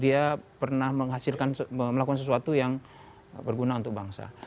dia pernah menghasilkan melakukan sesuatu yang berguna untuk bangsa